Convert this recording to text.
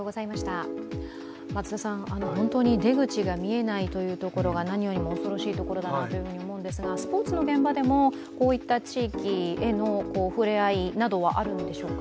本当に出口が見えないというところが何よりも恐ろしいところだなと思いますがスポーツの現場でもこういった地域へのふれあいなんかはあるんでしょうか？